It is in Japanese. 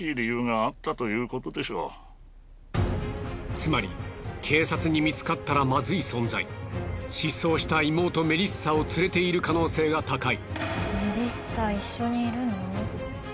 つまり警察に見つかったらまずい存在失踪した妹メリッサをつれている可能性が高い。